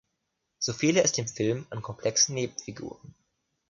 So fehle es dem Film an komplexen Nebenfiguren.